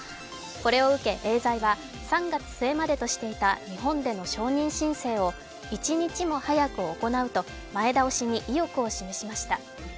これを受け、エーザイは３月末までとしていた日本での承認申請を一日も早く行うと前倒しに意欲を示しました。